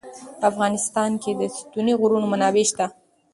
په افغانستان کې د ستوني غرونه منابع شته.